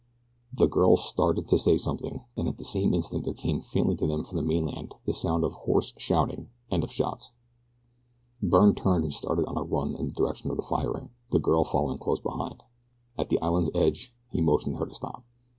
The girl started to say something, and at the same instant there came faintly to them from the mainland the sound of hoarse shouting, and of shots. Byrne turned and started on a run in the direction of the firing, the girl following closely behind. At the island's edge he motioned her to stop.